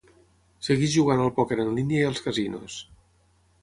Segueix jugant al pòquer en línia i als casinos.